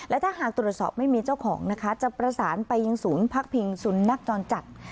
และถ้าหากตรวจสอบไม่มีเจ้าของนะคะจะประสานไปยังศูนย์พักพิงสุนัขจรจัด